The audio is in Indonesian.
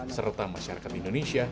serta masyarakat indonesia